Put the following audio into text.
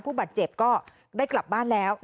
ผู้บาดเจ็บก็ได้กลับบ้านแล้ว